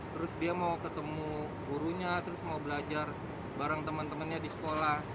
terus dia mau ketemu gurunya terus mau belajar bareng teman temannya di sekolah